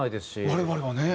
我々はね。